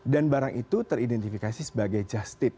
dan barang itu teridentifikasi sebagai just tip